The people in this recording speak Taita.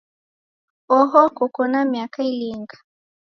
Oho koko na miaka ilinga?